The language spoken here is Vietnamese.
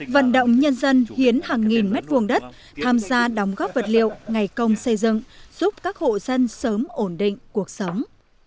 vận động nhân dân hiến hàng nghìn mét vuông đất tham gia đóng góp vật liệu ngày công xây dựng giúp các hộ dân sớm ổn định cuộc sống